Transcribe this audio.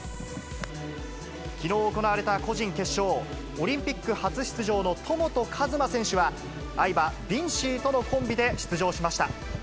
きのう行われた個人決勝、オリンピック初出場の戸本一真選手は、愛馬、ヴィンシーとのコンビで出場しました。